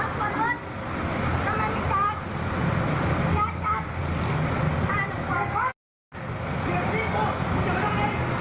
จัดจ้านก่อน